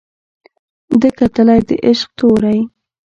ده کتلى د عشق تورى